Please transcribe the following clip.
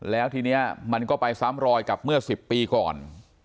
แล้วทีนี้มันก็ไปซ้ำรอยกับเมื่อ๑๐ปีก่อน